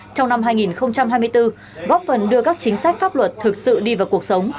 trong năm hai nghìn hai mươi bốn góp phần đưa các chính sách pháp luật thực sự đi vào cuộc sống